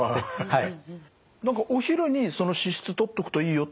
はい。